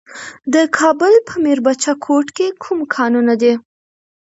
د کابل په میربچه کوټ کې کوم کانونه دي؟